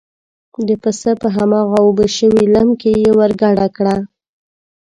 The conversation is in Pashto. د پسه په هماغه اوبه شوي لم کې یې ور ګډه کړه.